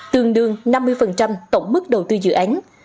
tương đương năm mươi tổng mức đầu tư dự án